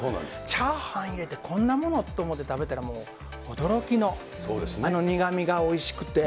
チャーハン入れて、こんなものって思って食べたら、驚きのあの苦みがおいしくて。